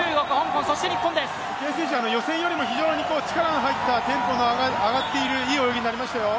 池江選手、予選よりも非常に力の入った、テンポの上がっている非常にいい泳ぎです。